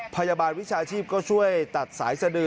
พยาบาลวิชาชีพก็ช่วยตัดสายสดือ